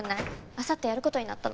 あさってやる事になったの。